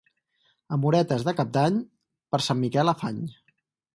Amoretes de Cap d'Any, per Sant Miquel afany.